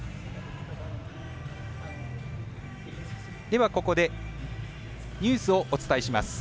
では、ここでニュースをお伝えします。